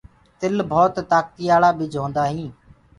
تل ڀوت تآڪتيآݪآ ٻج هوندآ هينٚ۔